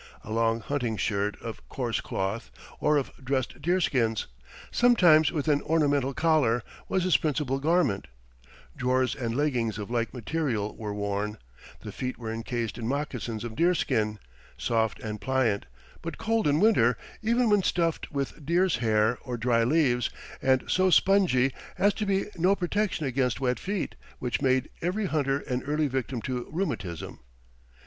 A long hunting shirt, of coarse cloth or of dressed deerskins, sometimes with an ornamental collar, was his principal garment; drawers and leggings of like material were worn; the feet were encased in moccasins of deerskin soft and pliant, but cold in winter, even when stuffed with deer's hair or dry leaves, and so spongy as to be no protection against wet feet, which made every hunter an early victim to rheumatism.